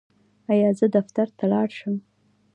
ایا زه دفتر ته لاړ شم؟